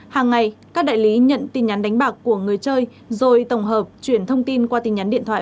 hàng ngày các đại lý nhận tin nhắn đánh bạc của người chơi rồi tổng hợp chuyển thông tin qua tin nhắn điện thoại